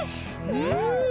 うん！